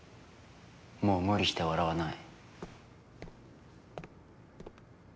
もう無理して笑わない。